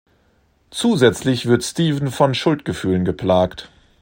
Zusätzlich wird Stephen von Schuldgefühlen geplagt.